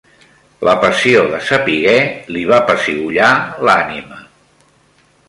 La passió de sapiguer li va pessigollar l'ànima.